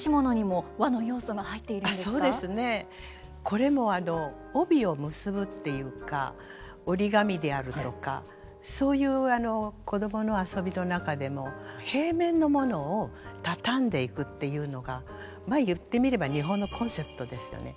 これも帯を結ぶっていうか折り紙であるとかそういう子供の遊びの中での平面のものをたたんでいくっていうのがまあ言ってみれば日本のコンセプトですよね。